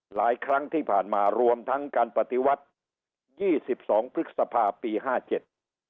หลายครั้งที่ผ่านมารวมทั้งการปฏิวัติยี่สิบสองพฤษภาปีห้าเจ็ด